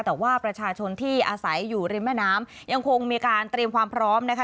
แต่ว่าประชาชนที่อาศัยอยู่ริมแม่น้ำยังคงมีการเตรียมความพร้อมนะคะ